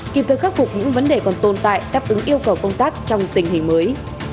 kịp thời khắc phục những vấn đề còn tồn tại đáp ứng yêu cầu công tác trong tình hình mới